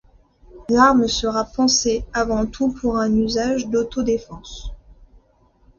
L'arme sera pensée avant tout pour un usage d'auto défense.